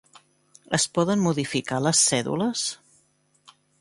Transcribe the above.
Es poden modificar les cèdules?